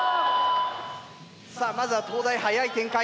さあまずは東大はやい展開。